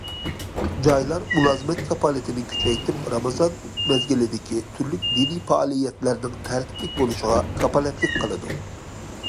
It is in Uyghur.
جايلار مۇلازىمەت كاپالىتىنى كۈچەيتىپ، رامىزان مەزگىلىدىكى تۈرلۈك دىنىي پائالىيەتلەرنىڭ تەرتىپلىك بولۇشىغا كاپالەتلىك قىلىدۇ.